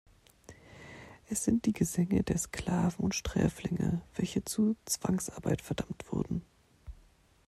Es sind die Gesänge der Sklaven und Sträflinge, welche zu Zwangsarbeit verdammt wurden.